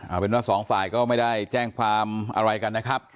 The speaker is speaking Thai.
เอาเป็นว่าสองฝ่ายก็ไม่ได้แจ้งความอะไรกันนะครับ